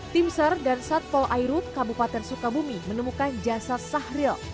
timsar dan satpol airut kabupaten sukabumi menemukan jasad sahril